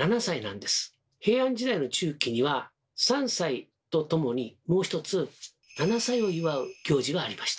平安時代の中期には３歳とともにもう一つ７歳を祝う行事がありました。